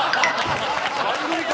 番組か！